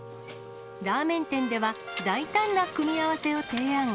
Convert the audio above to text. ラーメン店では、大胆な組み合わせを提案。